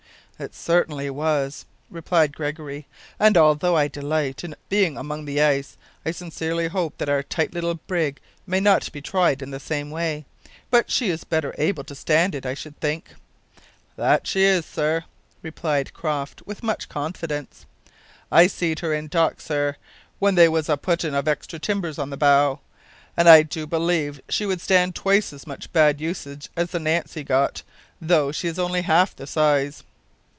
"It certainly was," replied Gregory; "and although I delight in being among the ice, I sincerely hope that our tight little brig may not be tried in the same way. But she is better able to stand it, I should think." "That she is, sir," replied Croft, with much confidence. "I seed her in dock, sir, when they was a puttin' of extra timbers on the bow, and I do believe she would stand twice as much bad usage as the Nancy got, though she is only half the size."